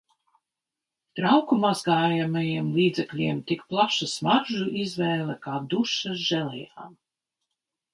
Trauku mazgājamajiem līdzekļiem tik plaša smaržu izvēle kā dušas želejām.